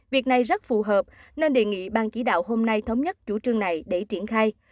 việc này rất phù hợp nên đề nghị bang chỉ đạo hôm nay thống nhất chủ trương này để triển khai